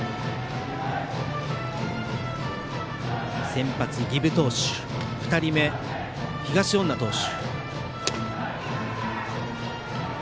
先発、儀部投手２人目、東恩納投手。